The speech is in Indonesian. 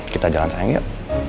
kita jalan sayang yuk